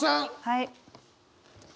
はい。